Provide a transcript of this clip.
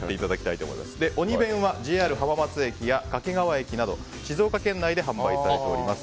おに弁はＪＲ浜松駅や掛川駅など静岡県内で販売されております。